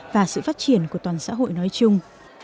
và sự phát triển của toàn xã hội nói chung